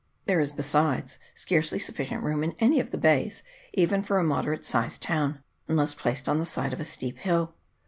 There is, besides, scarcely sufficient room in any of the bays even for a moderate sized town, unless placed on the side of a steep hill.